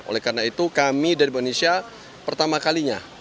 oleh karena itu kami dari indonesia pertama kalinya